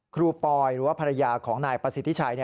คปอยหรือว่าภรรยาของนายประสิทธิชัย